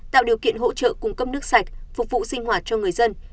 tạo điều kiện hỗ trợ cung cấp nước sạch phục vụ sinh hoạt cho người dân